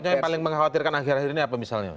yang paling mengkhawatirkan akhir akhir ini apa misalnya